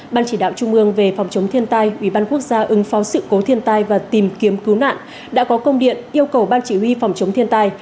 ban chỉ đạo trung ương về phòng chống thiên tai ubnd ứng phó sự cố thiên tai và tìm kiếm cứu nạn đã có công điện yêu cầu ban chỉ huy phòng chống thiên tai